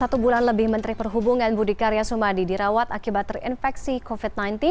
satu bulan lebih menteri perhubungan budi karya sumadi dirawat akibat terinfeksi covid sembilan belas